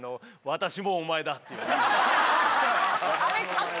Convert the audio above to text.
私もお前だっていう。